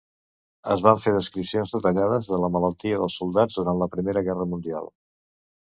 Es van fer descripcions detallades de la malaltia en soldats durant la Primera Guerra Mundial.